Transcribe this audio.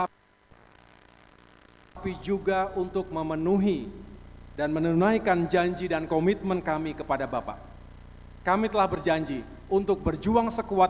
pada kesempatan yang baik ini saya juga perlu menyampaikan kepada seluruh kader partai demokrat